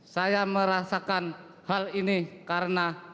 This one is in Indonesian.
saya merasakan hal ini karena